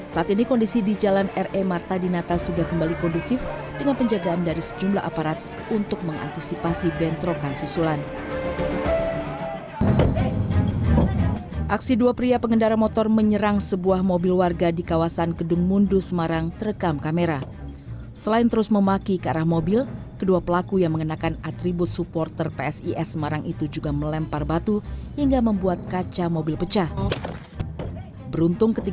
pada saat ini kondisi di jalan r e martadina tajikarang utara bekasi jawa barat